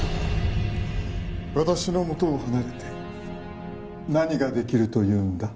私のもとを離れて何が出来るというんだ？